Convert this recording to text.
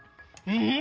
うん！